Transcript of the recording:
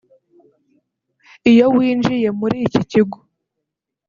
Iyo winjiye muri iki kigo